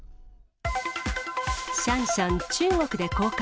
シャンシャン、中国で公開。